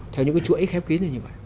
theo những cái chuỗi khép kín như vậy